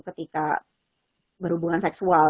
ketika berhubungan seksual